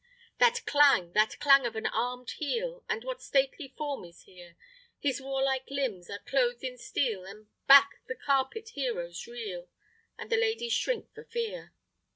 That clang! that clang of an armed heel! And what stately form is here? His warlike limbs are clothed in steel, And back the carpet heroes reel, And the ladies shrink for fear.